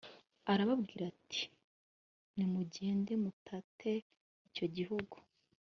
arababwira ati nimugende mutate icyo gihugu